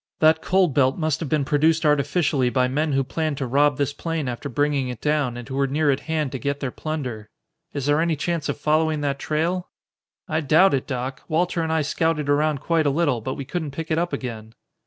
That cold belt must have been produced artificially by men who planned to rob this plane after bringing it down and who were near at hand to get their plunder. Is there any chance of following that trail?" "I doubt it, Doc. Walter and I scouted around quite a little, but we couldn't pick it up again."